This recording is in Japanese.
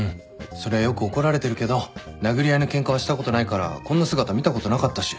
そりゃよく怒られてるけど殴り合いのケンカはしたことないからこんな姿見たことなかったし。